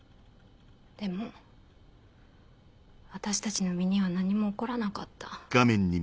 でも私たちの身には何も起こらなかった。